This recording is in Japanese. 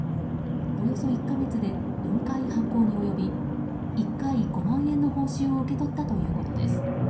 およそ１か月で４回犯行に及び１回５万円の報酬を受け取ったということです。